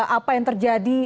apa yang terjadi